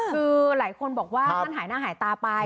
คือหลายคนบอกว่าท่านหายหน้าหายตาไป